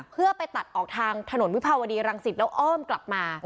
เพื่อไปตัดออกทางถนนวิภาวดีรังสิตแล้วอ้อมกลับมา